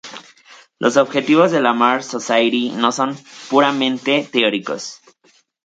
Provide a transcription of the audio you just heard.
Los objetivos de la Mars Society no son puramente teóricos.